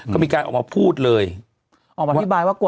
เจเรงเจเรง